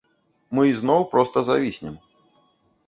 Мы ізноў проста завіснем.